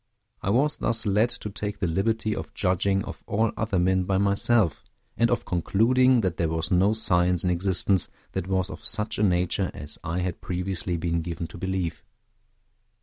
I was thus led to take the liberty of judging of all other men by myself, and of concluding that there was no science in existence that was of such a nature as I had previously been given to believe.